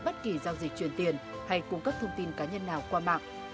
bất kỳ giao dịch truyền tiền hay cung cấp thông tin cá nhân nào qua mạng